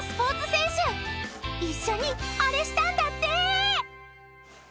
［一緒にあれしたんだって！］